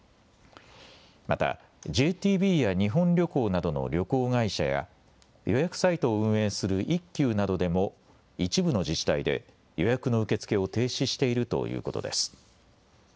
またＪＴＢや日本旅行などの旅行会社や予約サイトを運営する一休などでも一部の自治体で予約の受け付けを停止しているということです。